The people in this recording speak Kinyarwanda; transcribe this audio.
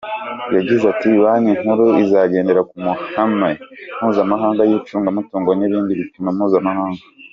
Yagize ati “Banki Nkuru izagendera ku mahame mpuzamahanga y’icungamutungo n’ibindi bipimo mpuzamahanga.